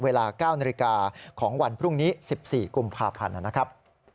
เวลา๙นาฬิกาของวันพรุ่งนี้๑๔กุมภาพันธ์นะครับ